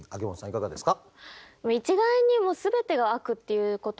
いかがですか？